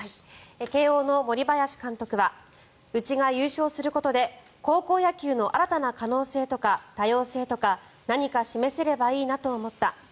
慶応の森林監督はうちが優勝することで高校野球の新たな可能性とか多様性とか何か示せればいいなと思った。